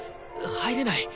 入れない。